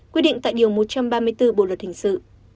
quy định tại điều một trăm ba mươi bốn bộ luật hình sự